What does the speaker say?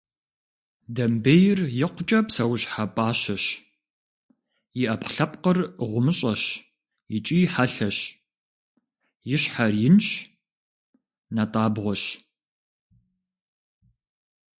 Домбейр икъукӏэ псэущхьэ пӏащэщ, и ӏэпкълъэпкъыр гъумыщӏэщ икӏи хьэлъэщ, и щхьэр инщ, натӏабгъуэщ.